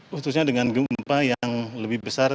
khususnya dengan gempa yang lebih besar